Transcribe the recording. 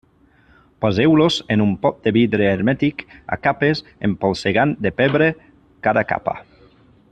Poseu-los en un pot de vidre hermètic, a capes, empolsegant de pebre cada capa.